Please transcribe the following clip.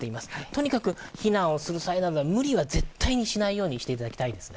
とにかく避難をする際は無理は絶対にしないようにしていただきたいです。